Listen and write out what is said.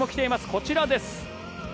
こちらです。